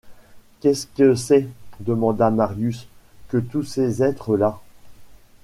Qu’est-ce que c’est, demanda Marius, que tous ces êtres-là?